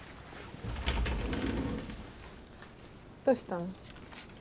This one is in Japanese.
どうしたの？